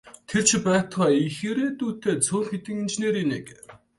Тэр ч байтугай их ирээдүйтэй цөөн хэдэн инженерийн нэг.